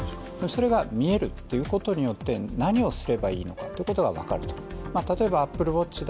それが見えるっていうことによって何をすればいいのかっていうことが分かる。